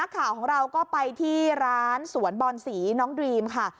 ข่าวของเราก็ไปที่ร้านสวนบอนศรีน้องดรีมค่ะ